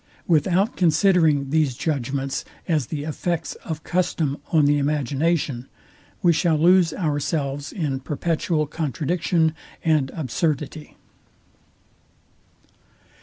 Without considering these judgments as the effects of custom on the imagination, we shall lose ourselves in perpetual contradiction and absurdity.